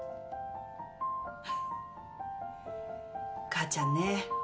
母ちゃんね